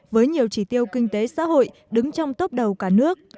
với nhiều trí tiêu kinh tế xã hội đứng trong tốc đầu cả nước